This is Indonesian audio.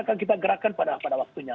akan kita gerakkan pada waktunya